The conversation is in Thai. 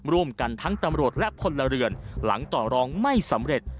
ร่วมกันทั้งตำรวจและพลเรือนหลังต่อรองไม่สำเร็จ